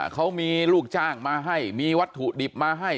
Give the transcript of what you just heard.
เขามีลูกจ้างมาให้มีวัตถุดิบมาให้